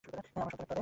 আমার সন্তানের তরে!